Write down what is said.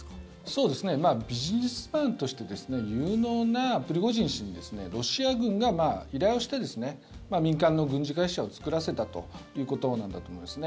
そうですね。ビジネスプランとして有能なプリゴジン氏にロシア軍が依頼をして民間の軍事会社を作らせたということなんだと思いますね。